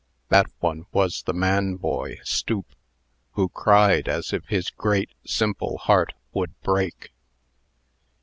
That one was the man boy Stoop, who cried as if his great, simple heart would break.